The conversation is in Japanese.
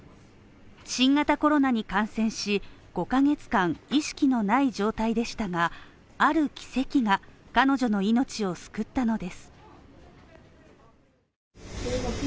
新型コロナに感染し、５カ月間意識のない状態でしたがある奇跡が彼女の命を救ったのです。